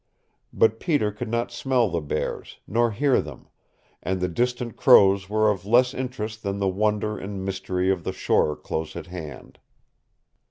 But Peter could not smell the bears, nor hear them, and the distant crows were of less interest than the wonder and mystery of the shore close at hand.